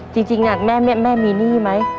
จริงแม่มีหนี้ไหม